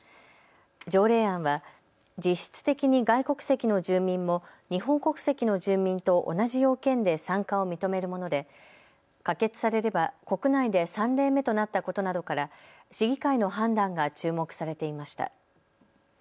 条例案は実質的に外国籍の住民も日本国籍の住民と同じ要件で参加を認めるもので可決されれば国内で３例目となったことなどから市議会の判断が注目されていました。